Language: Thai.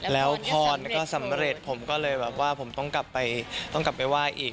แล้วพอสำเร็จผมก็เลยแบบว่าผมต้องกลับไปว่ายอีก